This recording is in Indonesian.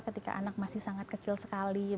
ketika anak masih sangat kecil sekali